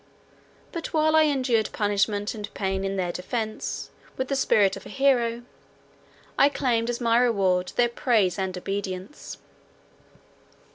But while I endured punishment and pain in their defence with the spirit of an hero, I claimed as my reward their praise and obedience.